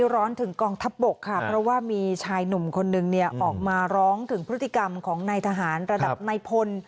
ร้อนถึงกองทัพบกค่ะเพราะว่ามีชายหนุ่มคนนึงเนี่ยออกมาร้องถึงพฤติกรรมของนายทหารระดับนายพล